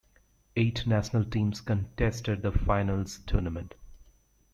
Eight national teams contested the finals tournament.